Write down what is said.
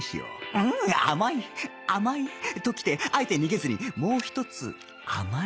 うん甘い甘いときてあえて逃げずにもう一つ甘いへ